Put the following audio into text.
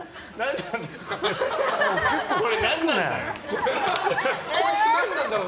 これ何なんだよ。